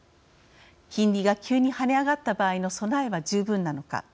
金利が急に跳ね上がった場合の備えは十分なのか。